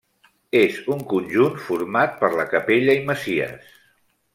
És un conjunt format per la capella i masies.